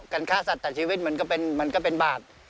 ฆ่าสัตว์แต่ชีวิตมันก็เป็นบาป